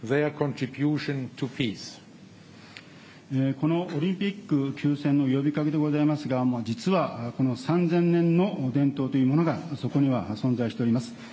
このオリンピック休戦の呼びかけでございますが、実はこの３０００年の伝統というものが、そこには存在しております。